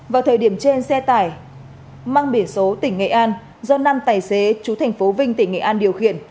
vào thời điểm trên xe tải mang biển số tỉnh nghệ an do năm tài xế chú thành phố vinh tỉnh nghệ an điều khiển